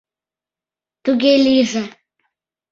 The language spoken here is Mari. — Туге лийже.